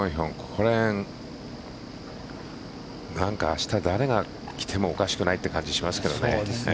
ここらへんなんか、明日誰が来てもおかしくないという感じはしますね。